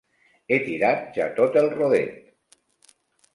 He tirat ja tot el rodet.